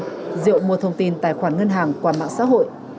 phạm thu diệu đã mua thông tin tài khoản ngân hàng qua mạng xã hội